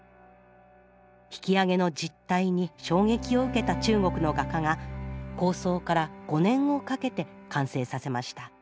引き揚げの実態に衝撃を受けた中国の画家が構想から５年をかけて完成させました。